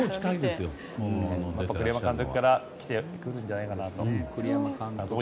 栗山監督から出てくるんじゃないかなと。